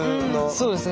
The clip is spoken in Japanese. そうですね。